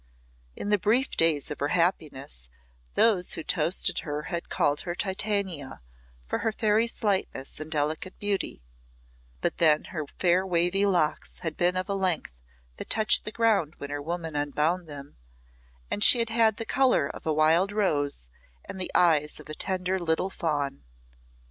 In the brief days of her happiness those who toasted her had called her Titania for her fairy slightness and delicate beauty, but then her fair wavy locks had been of a length that touched the ground when her woman unbound them, and she had had the colour of a wild rose and the eyes of a tender little fawn.